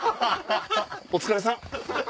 お疲れさん。